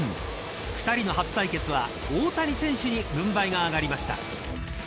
２人の初対決は大谷選手に軍配が上がりました。